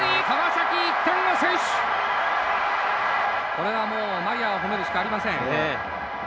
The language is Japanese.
これはもうマイヤーを褒めるしかありません。